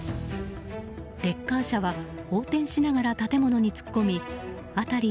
レッカー車は横転しながら建物に突っ込み辺り